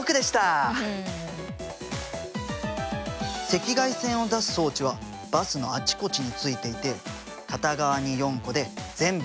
赤外線を出す装置はバスのあちこちについていて片側に４個で全部で８個。